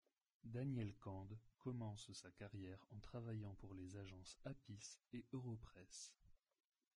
Daniel Cande commence sa carrière en travaillant pour les agences Apis et Europress.